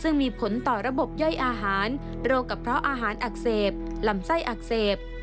ซึ่งมีผลต่อระบบย่อยอาหารโรคกระเพาะอาหารอักเสบลำไส้อักเสบ